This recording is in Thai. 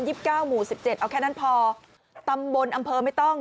เก้าหมู่สิบเจ็ดเอาแค่นั้นพอตำบลอำเภอไม่ต้อง